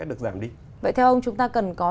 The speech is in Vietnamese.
được giảm đi vậy theo ông chúng ta cần có